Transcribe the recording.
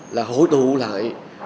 là hội tụ lại